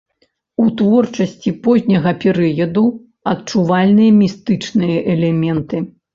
У творчасці позняга перыяду адчувальныя містычныя элементы.